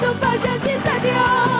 memperkontak menyerah jiwa